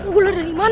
gula dari mana